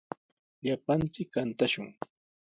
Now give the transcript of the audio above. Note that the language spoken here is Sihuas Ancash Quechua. Llapanchik kantashun.